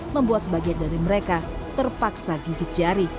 membuat sebagian dari mereka terpaksa gigit jari